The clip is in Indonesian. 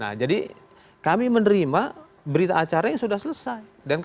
nah jadi kami menerima berita acara yang sudah dihasilkan oleh bawaslu dihadiri oleh jurnalis oke